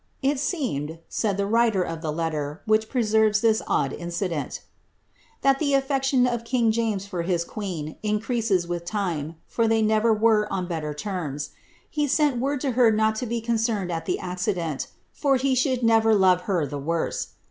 ^ It seemed, said the writer of the letter which preserves this odd incident, ^ that the afifection of king James for his queen increases with time, for tliey never were on better terms. He sent word to her not to be concerned at the accident, for he should never love her the worse.